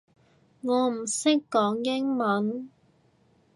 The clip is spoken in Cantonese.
我唔識講英文